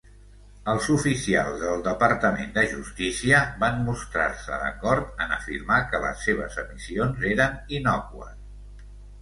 Els oficials del Departament de Justícia van mostrar-se d'acord en afirmar que les seves emissions eren "innòcues".